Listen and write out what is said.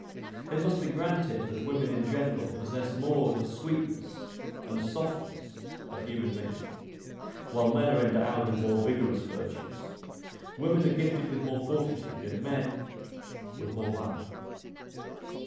It must be granted, that women in general possess more of the sweetness and softness of human nature, while men are endowed with more vigorous virtues; women are gifted with more fortitude, and men with more valor.